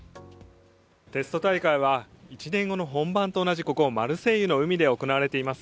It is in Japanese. テスト大会は１年後の本番と同じここ、マルセイユの海で行われています。